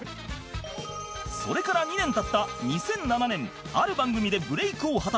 それから２年経った２００７年ある番組でブレイクを果たす